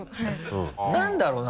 何だろうな？